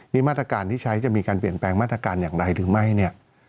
นี่มาตรการที่ใช้จะมีการเปลี่ยนแปลงมาตรการอย่างไรหรือไม่เนี่ย